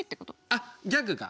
あっギャグが？